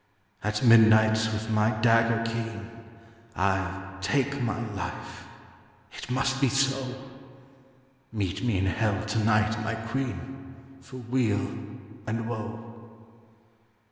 'At midnight with my dagger keen, I'll take my life; it must be so. Meet me in hell to night, my queen, For weal and woe.'